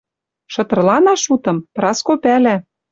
Шытырланаш утым? Праско пӓлӓ